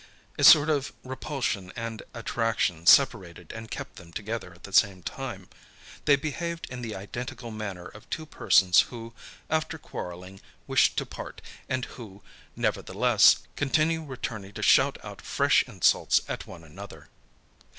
A sort of repulsion and attraction separated and kept them together at the same time. They behaved in the identical manner of two persons who, after quarrelling, wish to part, and who, nevertheless, continue returning to shout out fresh insults at one another.